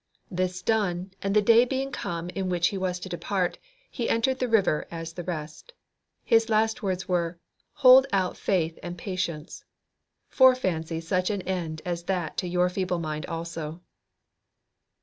This done, and the day being come in which he was to depart, he entered the river as the rest. His last words were, "Hold out faith and patience." Fore fancy such an end as that to your feeble mind also.